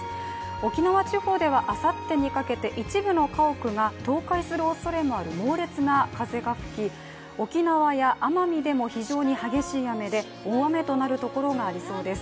沖縄地方ではあさってにかけて一部の家屋が倒壊するおそれのある猛烈な風が吹き、沖縄や奄美でも非常に激しい雨で大雨となるところがありそうです。